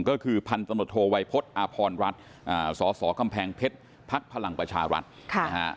ก็คือพันธนโทวัยพลอรัฐสสกำแพงเพชรพพลังประชารัฐ